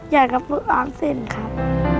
อย่างกับฝุกอาห์สินครับ